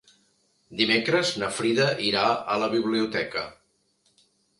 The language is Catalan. Dimecres na Frida irà a la biblioteca.